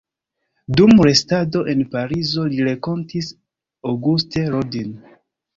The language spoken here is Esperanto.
Dum restado en Parizo li renkontis Auguste Rodin.